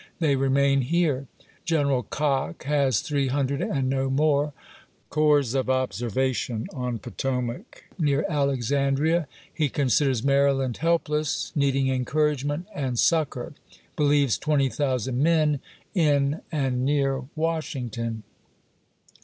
They remain here. General Cocke has three hundred and no more, Duncan to Corps of observation on Potomac near Alexandria. He A T 26^1861 considers Maryland helpless, needing encouragement and MS. succor. Believes 20,000 men in and near Washington.